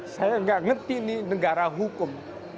saya nggak ngerti nih negara hukum